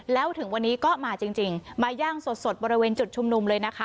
แล้วถึงวันนี้ก็มาจริงมาย่างสดบริเวณจุดชุมนุมเลยนะคะ